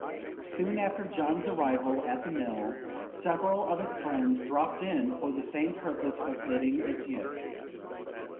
Soon after John's arrival at the mill several of his friends dropped in for the same purpose of bidding adieu.